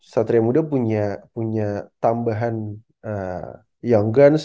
satria muda punya tambahan young guns